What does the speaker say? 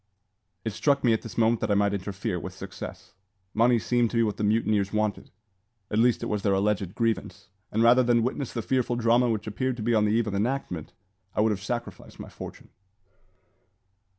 It struck me at this moment that I might interfere, with success. Money seemed to be what the mutineers wanted; at least it was their alleged grievance; and rather than witness the fearful drama which appeared to be on the eve of enactment, I would have sacrificed my fortune.